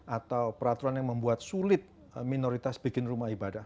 atau peraturan yang membuat sulit minoritas bikin rumah ibadah